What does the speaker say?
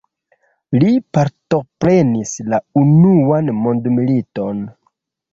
Li partoprenis la unuan mondmiliton.